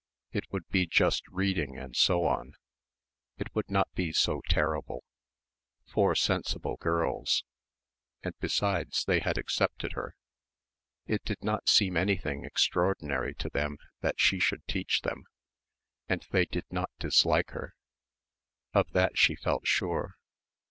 It would be just reading and so on. It would not be so terrible four sensible girls; and besides they had accepted her. It did not seem anything extraordinary to them that she should teach them; and they did not dislike her. Of that she felt sure.